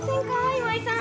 岩井さん。